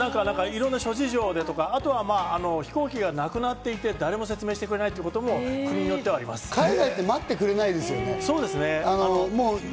いろんな諸事情でとか、飛行機がなくなっていて誰も説明してくれないってことも国によっ海外って待ってくれないですよね。